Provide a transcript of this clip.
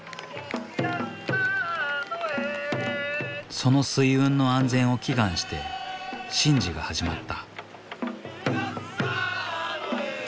その水運の安全を祈願して神事が始まった。